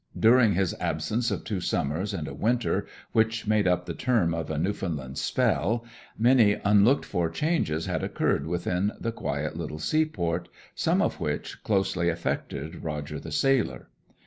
During his absence of two summers and a winter, which made up the term of a Newfoundland 'spell,' many unlooked for changes had occurred within the quiet little seaport, some of which closely affected Roger the sailor.